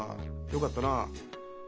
よかったなあ。